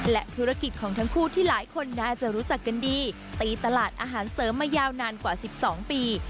และธุรกิจของทั้งคู่ที่หลายคนน่าจะรู้จักกันดีตีตลาดอาหารเสริมมายาวนานกว่า๑๒ปี